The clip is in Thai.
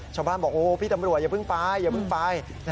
เชาบ้านบอกโอ้โหพี่ตำรวจอย่าเพิ่งไป